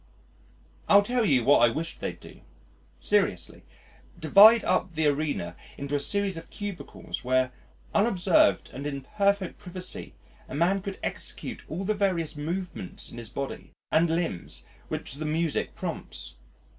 I'll tell you what I wish they'd do seriously: divide up the arena into a series of cubicles where, unobserved and in perfect privacy, a man could execute all the various movements of his body and limbs which the music prompts.